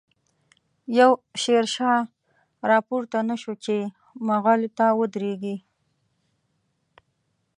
يو” شير شاه “راپورته نه شو، چی ” مغل” ته ودريږی